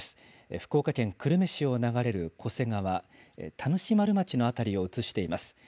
福岡県久留米市を流れる巨瀬川、田主丸町の辺りを写しています。